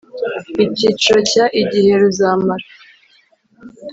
Icyiciro cya Igihe ruzamara